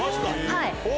はい。